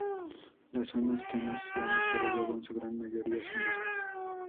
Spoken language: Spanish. Las zonas que no se han desarrollado en su gran mayoría son bosques.